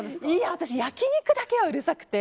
私、焼肉だけはうるさくて。